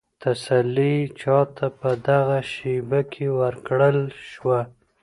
تسلي چا ته په دغه شېبه کې ورکړل شوه؟